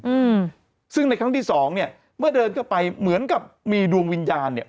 อืมซึ่งในครั้งที่สองเนี้ยเมื่อเดินเข้าไปเหมือนกับมีดวงวิญญาณเนี้ย